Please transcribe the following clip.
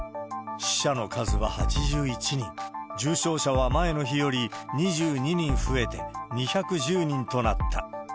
死者の数は８１人、重症者は前の日より２２人増えて２１０人となった。